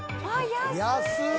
安い！